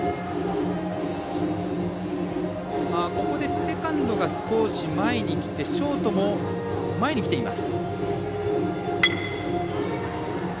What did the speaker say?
ここでセカンドが少し前にきてショートも前にきています。